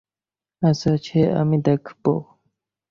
আচ্ছা, সে আমি দেখব।